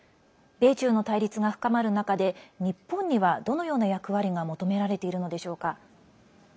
米中の対立が深まる中で日本には、どのような役割が求められているのでしょうか？